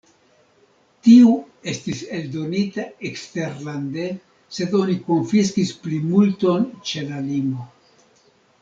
Tiu estis eldonita eksterlande, sed oni konfiskis plimulton ĉe la limo.